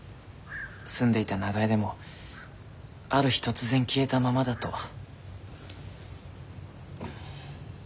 住んでいた長屋でもある日突然消えたままだと。